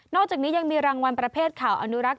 อกจากนี้ยังมีรางวัลประเภทข่าวอนุรักษ